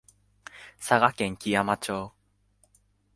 佐賀県基山町